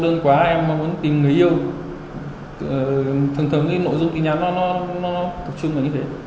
thường thường nội dung tin nhắn nó tập trung vào như thế